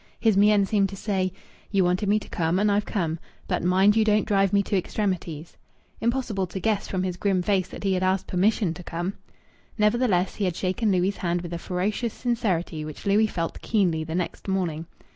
His mien seemed to say: "You wanted me to come, and I've come. But mind you don't drive me to extremities." Impossible to guess from his grim face that he had asked permission to come! Nevertheless he had shaken Louis' hand with a ferocious sincerity which Louis felt keenly the next morning.